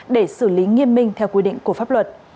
để xử lý nghiêm minh theo quy định của pháp luật